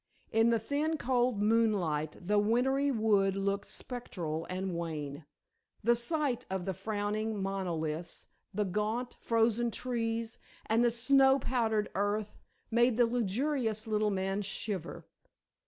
In the thin, cold moonlight, the wintry wood looked spectral and wan. The sight of the frowning monoliths, the gaunt, frozen trees and the snow powdered earth, made the luxurious little man shiver.